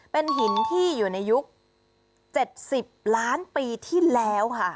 เป็นหินที่อยู่ในยุค๗๐ล้านปีที่แล้วค่ะ